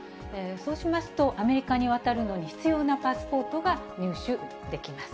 そうしますと、アメリカに渡るのに必要なパスポートが入手できます。